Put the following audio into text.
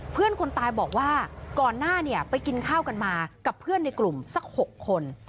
เพื่อนคนตายบอกว่าก่อนหน้าเนี่ยไปกินข้าวกันมากับเพื่อนในกลุ่มสัก๖คน